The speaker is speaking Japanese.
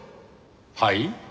はい？